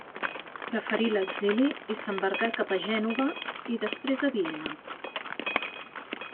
Preferí l'exili, i s'embarcà cap a Gènova, i després a Viena.